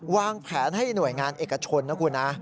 วางแผนให้หน่วยงานเอกชนนะคุณนะ